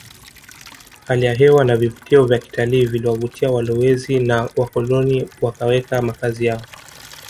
Hali ya hewa na vivutio vya kitalii viliwavutia walowezi na wakoloni wakaweka makazi yao